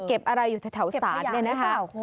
เก็บอะไรอยู่แถวศาลเนี่ยนะคะ